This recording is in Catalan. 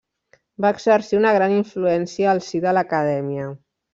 Va exercir una gran influència al si de l'Acadèmia.